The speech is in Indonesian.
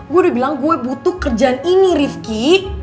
gue udah bilang gue butuh kerjaan ini rifki